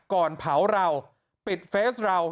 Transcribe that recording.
ก่อนเผาเราปิดเฟสเรา